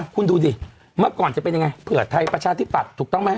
คุณดูดิเมื่อก่อนจะเป็นยังไงเผื่อไทยประชาธิปัตย์ถูกต้องไหม